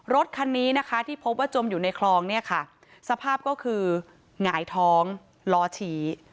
รถคันนี้นะคะที่พบว่าจมอยู่ในคลองเนี่ยค่ะสภาพก็คือหงายท้องล้อชี้